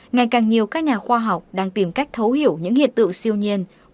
ngày càng nhiều các nhà khoa học đang tìm cách thấu hiểu những hiện tượng siêu nhiên